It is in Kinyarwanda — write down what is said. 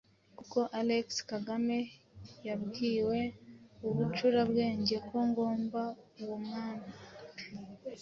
kuko Alexis Kagame yabwiwe Ubucurabwenge ku ngoma y'uwo mwami,